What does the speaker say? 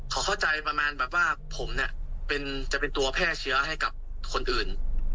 เขาเข้าใจประมาณแบบว่าผมเนี่ยจะเป็นตัวแพร่เชื้อให้กับคนอื่น